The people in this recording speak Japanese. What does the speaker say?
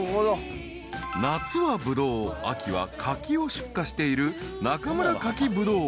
［夏はブドウ秋は柿を出荷している］